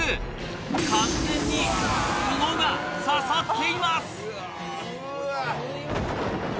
完全にツノが刺さっています